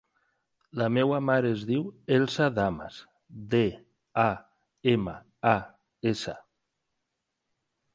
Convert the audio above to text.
La meva mare es diu Elsa Damas: de, a, ema, a, essa.